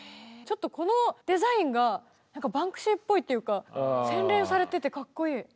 ちょっとこのデザインがバンクシーぽいっていうか洗練されててかっこいい。